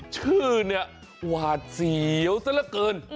ชื่อเนี่ยหวาดเสียวซะละเกิน